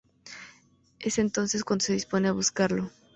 Es entonces cuando de dispone a buscarlo.